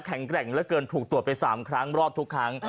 แกร่งเหลือเกินถูกตรวจไป๓ครั้งรอดทุกครั้ง